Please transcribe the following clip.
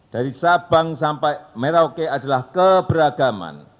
dari sabang sampai merauke adalah keberagaman